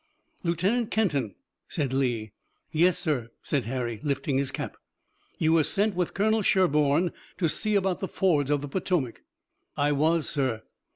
"Lieutenant Kenton!" said Lee. "Yes, sir," said Harry, lifting his cap. "You were sent with Colonel Sherburne to see about the fords of the Potomac." "I was, sir."